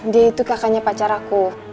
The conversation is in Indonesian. dia itu kakaknya pacar aku